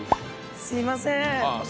すいません。